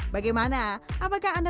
bagaimana apakah anda